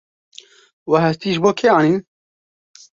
We hestî ji bo kê anîn?